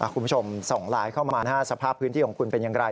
คุณผู้ชมส่งไลน์เข้ามาสภาพพื้นที่ของคุณเป็นอย่างไร